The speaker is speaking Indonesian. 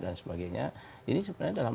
dan sebagainya ini sebenarnya dalam